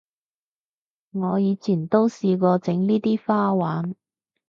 我以前都試過整呢啲花環